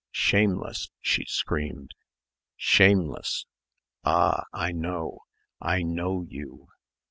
Shameless!" she screamed. "Shameless. Ah! I know. I know you."